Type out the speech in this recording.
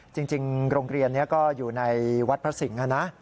จริงโรงเรียนนี้ก็อยู่ในวัดพระสิงห์นะ